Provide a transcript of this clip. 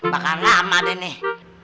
bakal lama deh nih